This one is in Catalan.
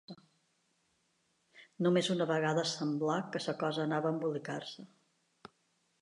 Només una vegada semblà que la cosa anava a embolicar-se